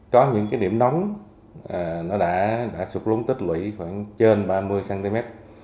có những điểm nóng đã sụt lúng tích lũy khoảng trên ba mươi cm